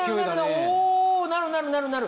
おなるなるなるなる！